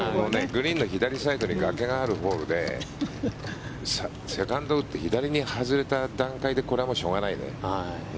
グリーンの左サイドに崖があるホールでセカンド打って左に外れた段階でこれはもうしょうがないね。